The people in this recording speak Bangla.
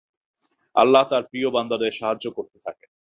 আল্লাহ্ তাঁর প্রিয় বান্দাদের সাহায্য করতে থাকেন।